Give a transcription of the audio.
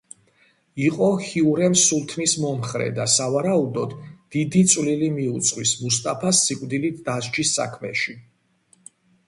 იყო ჰიურემ სულთნის მომხრე და სავარაუდოდ დიდი წვლილი მიუძღვის მუსტაფას სიკვდილით დასჯის საქმეში.